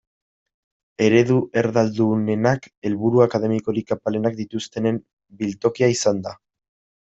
Eredu erdaldunenak helburu akademikorik apalenak dituztenen biltokia izan da.